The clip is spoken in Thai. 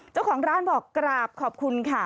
เจ้าของร้านบอกกราบขอบคุณค่ะ